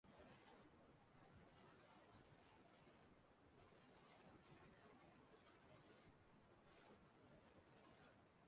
nwoke a na-erubeghị afọ iri atọ bibu na mpaghara ọdịda anyanwụ nke obodo London